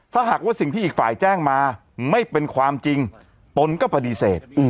ถ้าหากว่าสิ่งที่อีกฝ่ายแจ้งมาไม่เป็นความจริงตนก็ปฏิเสธ